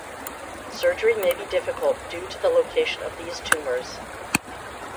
Surgery may be difficult due to the location of these tumors.